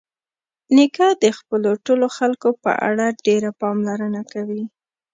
نیکه د خپلو ټولو خلکو په اړه ډېره پاملرنه کوي.